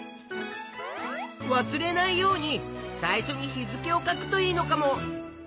わすれないように最初に日付を書くといいのかも。